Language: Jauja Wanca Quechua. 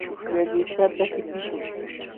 Llalliqkaqta qipiśhun.